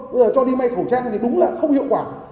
bây giờ cho đi may khẩu trang thì đúng là không hiệu quả